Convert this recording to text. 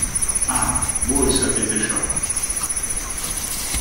Ah, voi sapete ciò.